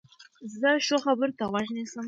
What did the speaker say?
زه ښو خبرو ته غوږ نیسم.